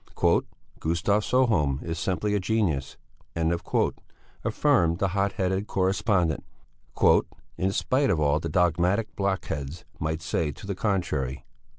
"Gustav Sjöholm is simply a genius," affirmed the hot headed correspondent, "in spite of all that dogmatic blockheads might say to the contrary."